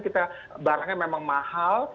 kita barangnya memang mahal